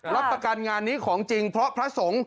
รับประกันงานนี้ของจริงเพราะพระสงฆ์